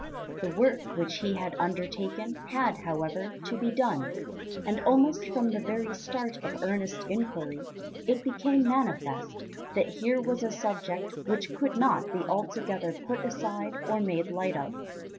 The work which he had undertaken had, however, to be done, and almost from the very start of earnest enquiry it became manifest that here was a subject which could not be altogether put aside or made light of.